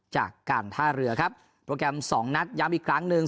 จากการท่าเรือครับโปรแกรมสองนัดย้ำอีกครั้งหนึ่ง